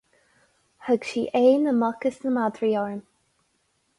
Thug sí aghaidh na muc is na madraí orm.